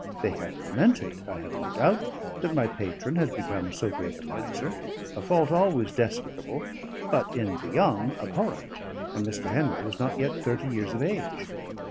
They had lamented, I have no doubt, that my patron had become so great a miser a fault always despicable, but in the young abhorrent, and Mr. Henry was not yet thirty years of age.